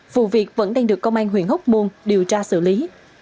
vụ việc vẫn đang được công an huyện hóc môn điều tra xử lý